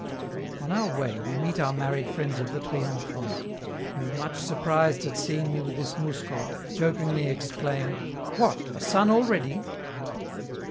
On our way we meet our married friends of the Triomphante, who, much surprised at seeing me with this mousko, jokingly exclaim: "What! a son already?"